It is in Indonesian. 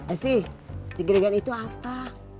esi jegregan itu apa